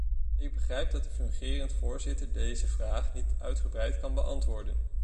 Ik begrijp dat de fungerend voorzitter deze vraag niet uitgebreid kan beantwoorden.